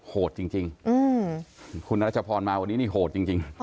โหดจริงคุณรัชพรมาวันนี้นี่โหดจริง